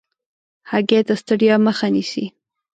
هګۍ د ستړیا مخه نیسي.